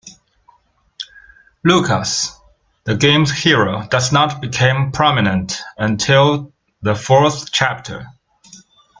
Lucas, the game's hero, does not become prominent until the fourth chapter.